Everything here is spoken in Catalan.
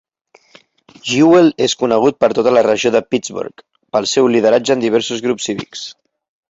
Jewell és conegut per tota la regió de Pittsburgh pel seu lideratge en diversos grups cívics.